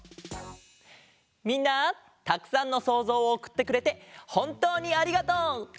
みんなたくさんのそうぞうをおくってくれてほんとうにありがとう！